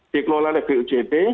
dikelola oleh bujp